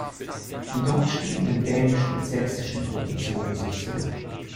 Die dort stehenden dänischen und sächsischen Truppen zogen sich zurück.